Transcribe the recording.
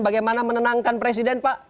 bagaimana menenangkan presiden pak